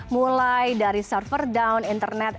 mulai dari server down internet